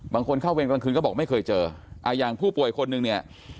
บางคนเข้าเวรกลางคืนก็บอกไม่เคยเจออ่าอย่างผู้ป่วยคนหนึ่งเนี่ย